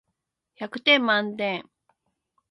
百点満点